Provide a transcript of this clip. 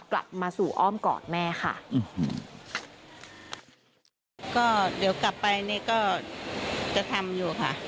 กลับมาสู่อ้อมกอดแม่ค่ะก็เดี๋ยวกลับไปนี่ก็จะทำอยู่ค่ะ